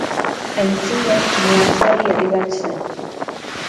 Antzina meatzari herri bat zen.